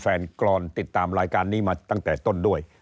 กรอนติดตามรายการนี้มาตั้งแต่ต้นด้วย